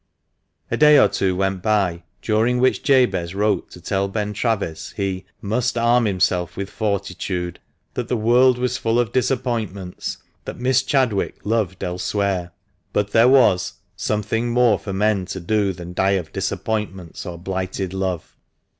A day or two went by, during which Jabez wrote to tell Ben Travis he " must arm himself with fortitude "— that " the world was full of disappointments" — that "Miss Chadwick loved elsewhere" — but there was "something more for men to do than die of disappointments or blighted love."